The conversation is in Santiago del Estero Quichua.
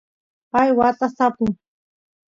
pay watas tapu